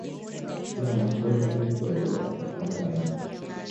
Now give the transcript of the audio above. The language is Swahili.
kila anapoenda pep guardiola anaacha alama